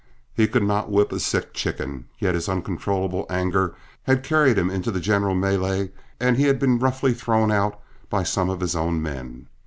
He could not whip a sick chicken, yet his uncontrollable anger had carried him into the general melee and he had been roughly thrown out by some of his own men.